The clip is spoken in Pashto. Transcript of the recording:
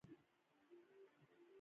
د کثافاتو نه مدیریت ناروغي خپروي.